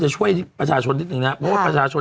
ช่วยประชาชนนิดนึงนะครับเพราะว่าประชาชน